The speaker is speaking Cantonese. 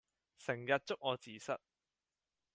成日捉我字蝨